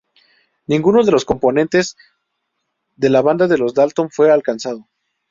Ninguno de los componentes de la banda de los Dalton fue alcanzado.